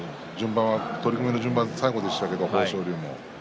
取組の順番は最後でしたけど豊昇龍。